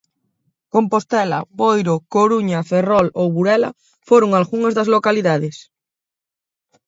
Compostela, Boiro, Coruña, Ferrol ou Burela foron algunhas das localidades.